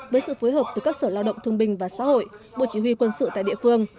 với sự phối hợp từ các sở lao động thương binh và xã hội bộ chỉ huy quân sự tại địa phương